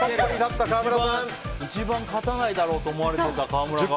一番勝たないだろうと思われてた川村さんが。